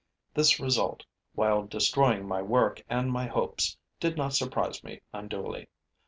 This result, while destroying my work and my hopes, did not surprise me unduly.